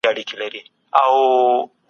تاسو باید د تاریخ له تجربو ګټه واخلئ.